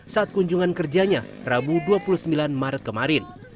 saat kunjungan kerjanya rabu dua puluh sembilan maret kemarin